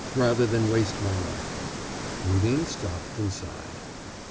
rather than waste my life?' Rudin stopped and sighed.